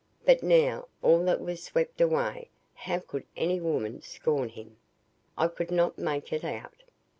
But now all that was swept away. How could any woman scorn him? I could not make it out.